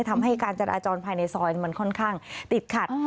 ทำให้การจราจรภายในซอยมันค่อนข้างติดขัด